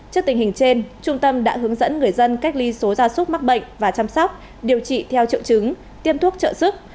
trước tình hình trên trung tâm đã hướng dẫn người dân cách ly số ra súc mắc bệnh và chăm sóc điều trị theo triệu chứng tiêm thuốc trợ sức